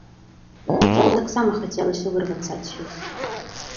Яму таксама хацелася вырвацца адсюль.